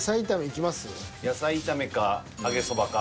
野菜炒めか揚げそばか。